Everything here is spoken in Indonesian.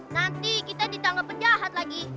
nanti kita ditangkap penjahat lagi